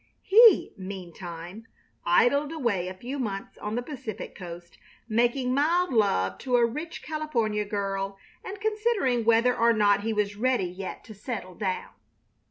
He, meantime, idled away a few months on the Pacific coast, making mild love to a rich California girl and considering whether or not he was ready yet to settle down.